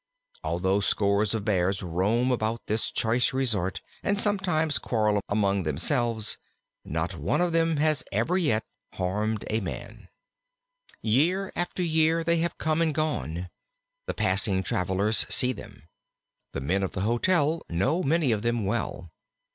Although scores of Bears roam about this choice resort, and sometimes quarrel among themselves, not one of them has ever yet harmed a man. Year after year they have come and gone. The passing travellers see them. The men of the hotel know many of them well.